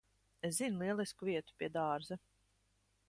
Es zinu lielisku vietu. Pie dārza.